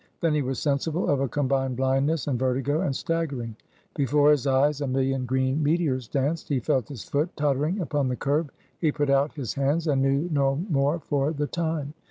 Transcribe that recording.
Then he was sensible of a combined blindness, and vertigo, and staggering; before his eyes a million green meteors danced; he felt his foot tottering upon the curb, he put out his hands, and knew no more for the time.